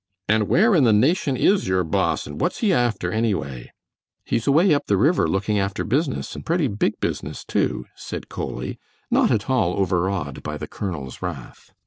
"And where in the nation IS your boss, and what's he after, anyway?" "He's away up the river looking after business, and pretty big business, too," said Coley, not at all overawed by the colonel's wrath.